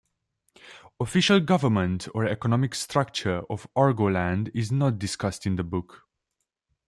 Official government or economic structure of Argoland is not discussed in the book.